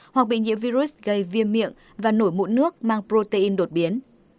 hoặc bị nhiễm virus gây viêm miệng và nổi mũn nước mang protein đột biến